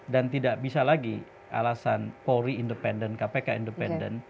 dan tidak bisa lagi alasan polri independen kpk independen